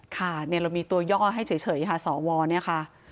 ค่ะเนี่ยเรามีตัวย่อให้เฉยค่ะสอวอล์เนี่ยค่ะ